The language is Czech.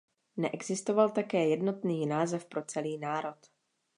Neexistoval také jednotný název pro celý národ.